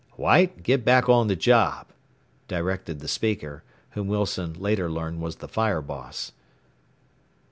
"White, get back on the job," directed the speaker, who Wilson later learned was the fire boss.